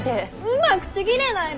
うまくちぎれない。